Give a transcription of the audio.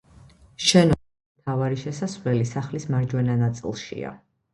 შენობის მთავარი შესასვლელი სახლის მარჯვენა ნაწილშია.